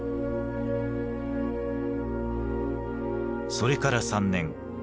それから３年。